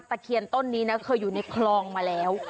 ตะเคียนต้นนี้นะเคยอยู่ในคลองมาแล้ว